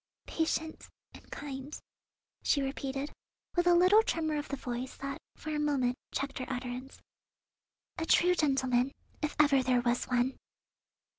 Patient and kind," she repeated, with a little tremor of the voice that for a moment checked her utterance, "a true gentleman, if ever there was one."